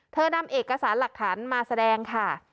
นำเอกสารหลักฐานมาแสดงค่ะ